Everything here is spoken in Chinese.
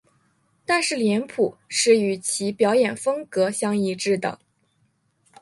但是脸谱是与其表演风格相一致的。